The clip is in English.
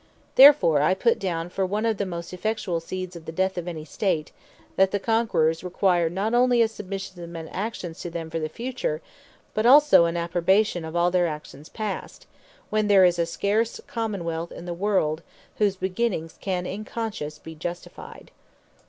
Therefore I put down for one of the most effectuall seeds of the Death of any State, that the Conquerours require not onely a Submission of mens actions to them for the future, but also an Approbation of all their actions past; when there is scarce a Common wealth in the world, whose beginnings can in conscience be justified.